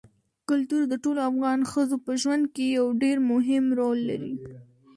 کلتور د ټولو افغان ښځو په ژوند کې یو ډېر مهم رول لري.